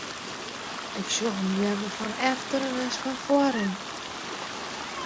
Ik sjoch him leaver fan efteren as fan foaren.